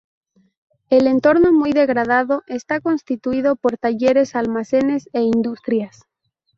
El entorno, muy degradado, está constituido por talleres, almacenes e industrias.